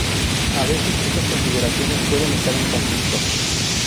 A veces estas consideraciones pueden estar en conflicto.